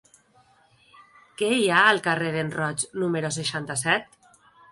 Què hi ha al carrer d'en Roig número seixanta-set?